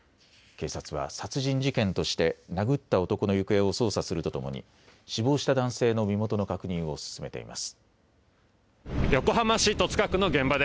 警察は殺人事件として殴った男の行方を捜査するとともに死亡した男性の身元の確認を進めています。